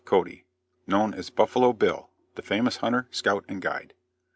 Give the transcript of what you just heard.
CODY KNOWN AS BUFFALO BILL THE FAMOUS HUNTER, SCOUT AND GUIDE.